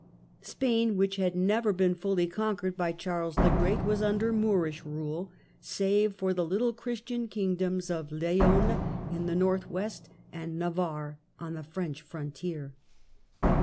Spain, which had never been fully conquered by Charles the Great, was under Moorish rule, save for the little Christian kingdoms of Leon, in the north west, and Navarre, on the French frontier.